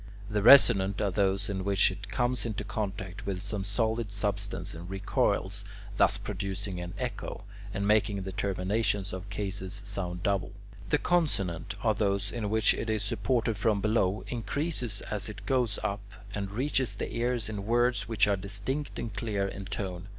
The resonant are those in which it comes into contact with some solid substance and recoils, thus producing an echo, and making the terminations of cases sound double. The consonant are those in which it is supported from below, increases as it goes up, and reaches the ears in words which are distinct and clear in tone.